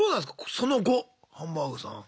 その後ハンバーグさん。